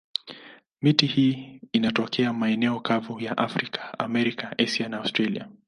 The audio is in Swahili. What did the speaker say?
Miti hii inatokea maeneo kavu ya Afrika, Amerika, Asia na Australia.